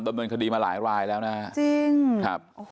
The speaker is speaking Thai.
ดำเนินคดีมาหลายแล้วนะครับ